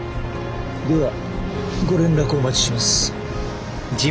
ではご連絡お待ちします。